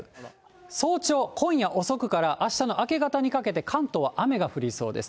早朝、今夜遅くからあしたの明け方にかけて、関東は雨が降りそうです。